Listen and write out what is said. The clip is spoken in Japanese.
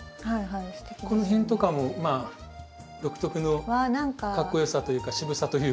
この辺とかもまあ独特のかっこよさというか渋さというか。